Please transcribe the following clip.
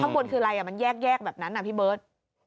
ข้างบนคืออะไรมันแยกแบบนั้นนะพี่เบิร์ต